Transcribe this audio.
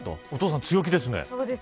お父さん強気ですね。